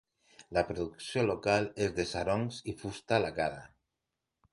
La producció local és de sarongs i fusta lacada.